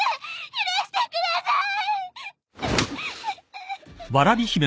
許してください！